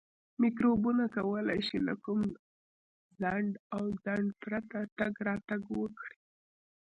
میکروبونه کولای شي له کوم خنډ او ځنډ پرته تګ راتګ وکړي.